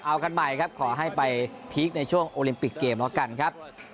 เอากันใหม่ครับขอให้ไปพีคในช่วงโอลิมปิกเกมแล้วกันครับ